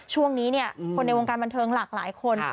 ช่วงนี้เนี่ยคนในวงการบันเทิงหลากหลายคน